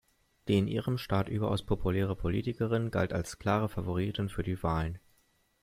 Die in ihrem Staat überaus populäre Politikerin galt als klare Favoritin für die Wahlen.